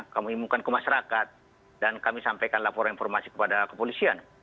kami imukan ke masyarakat dan kami sampaikan laporan informasi kepada kepolisian